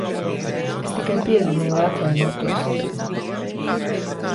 Es tikai piezvanīju, lai atvainotos.